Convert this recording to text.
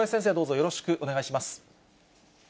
よろしくお願いします。